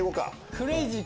クレイジー。